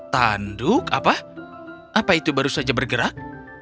tanduk apa apa itu baru saja bergerak